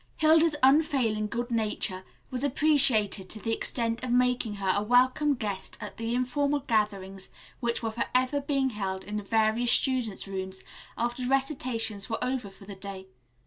Hilda's unfailing good nature was appreciated to the extent of making her a welcome guest at the informal gatherings which were forever being held in the various students' rooms after recitations were over for the day.